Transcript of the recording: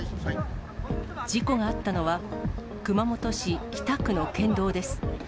事故があったのは、熊本市北区の県道です。